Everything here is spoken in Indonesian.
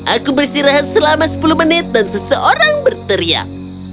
aku bersirahat selama sepuluh menit dan seseorang berteriak